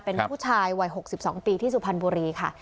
เป็นผู้ชายวัยหกสิบสองปีที่สุพรรณบุรีค่ะ